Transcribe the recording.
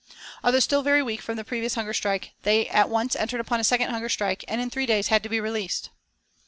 Although still very weak from the previous hunger strike, they at once entered upon a second hunger strike, and in three days had to be released.